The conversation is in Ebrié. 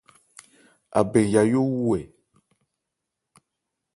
Abɛn Yayó wu ɛ ?